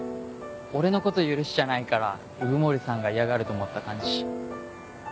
俺のこと許しちゃないから鵜久森さんが嫌がると思った感じ？